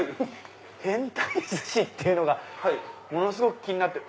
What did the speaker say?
変タイ鮨っていうのがものすごく気になって。